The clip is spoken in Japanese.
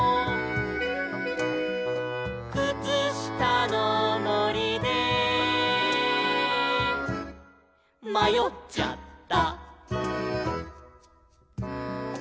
「くつしたのもりでまよっちゃった」